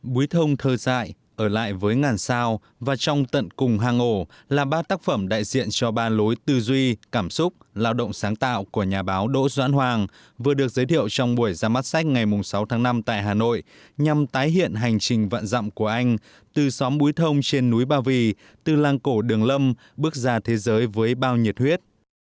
búi thông thơ dại ở lại với ngàn sao và trong tận cùng hang ổ là ba tác phẩm đại diện cho ba lối tư duy cảm xúc lao động sáng tạo của nhà báo đỗ doãn hoàng vừa được giới thiệu trong buổi ra mắt sách ngày sáu tháng năm tại hà nội nhằm tái hiện hành trình vạn dặm của anh từ xóm búi thông trên núi ba vì từ lang cổ đường lâm bước ra thế giới với bao nhiệt huyết